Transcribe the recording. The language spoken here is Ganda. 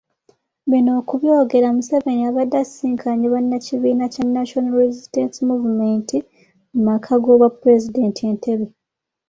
Bino okubyogera Museveni abadde asisinkanye bannakibiina kya National Resistance Movement mu maka g’obwapulezidenti Entebbe.